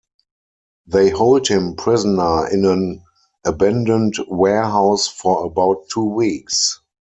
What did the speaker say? They hold him prisoner in an abandoned warehouse for about two weeks.